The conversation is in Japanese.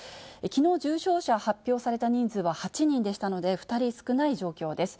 きのう重症者発表された人数は８人でしたので、２人少ない状況です。